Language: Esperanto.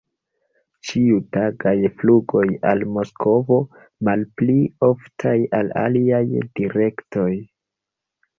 Ĉiutagaj flugoj al Moskvo, malpli oftaj al aliaj direktoj.